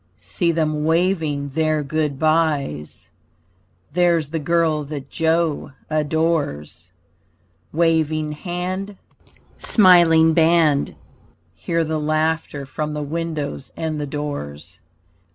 See them waving their good byes, There's the girl that Joe adores Waving hand, smiling band! Hear the laughter from the windows and the doors.